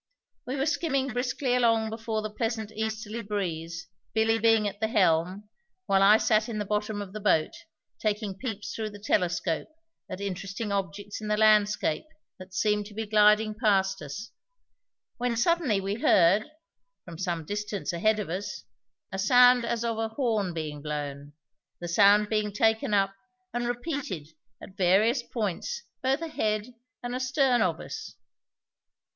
We were skimming briskly along before the pleasant easterly breeze, Billy being at the helm, while I sat in the bottom of the boat, taking peeps through the telescope at interesting objects in the landscape that seemed to be gliding past us, when suddenly we heard, from some distance ahead of us, a sound as of a horn being blown, the sound being taken up and repeated at various points both ahead and astern of us.